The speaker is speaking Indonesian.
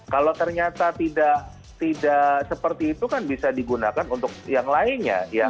kalau ternyata tidak seperti itu kan bisa digunakan untuk yang lainnya ya